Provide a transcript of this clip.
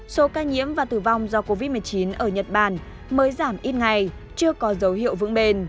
số ca nhiễm và tử vong do covid một mươi chín ở nhật bản mới giảm ít ngày chưa có dấu hiệu vững bền